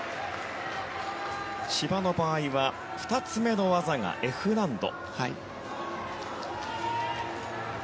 千葉の場合は２つ目の技がＦ難度。